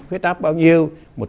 huyết áp bao nhiêu